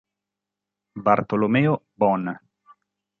Bartolomeo Bon